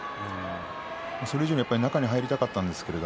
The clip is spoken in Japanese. それ以上に中に入りたかったんですけれど。